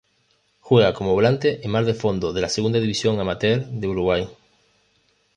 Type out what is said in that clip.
Juega como volante en Mar de Fondo de la Segunda División Amateur de Uruguay.